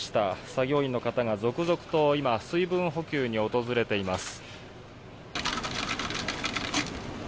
作業員の方が続々と水分補給に訪れています。